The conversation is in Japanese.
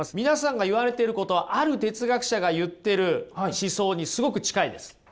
皆さんが言われてることある哲学者が言ってる思想にすごく近いです。